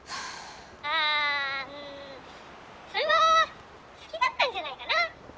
あんそれは好きだったんじゃないかな。